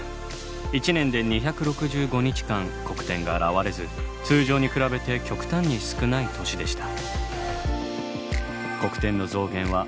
一年で２６５日間黒点が現れず通常に比べて極端に少ない年でした。